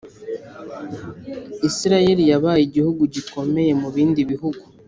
isirayeli yabaye igihugu gikomeye mu bindi bihugu